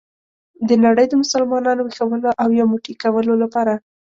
د نړۍ د مسلمانانو ویښولو او یو موټی کولو لپاره.